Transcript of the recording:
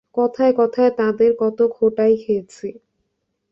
কথায় কথায় তাঁদের কত খোঁটাই খেয়েছি।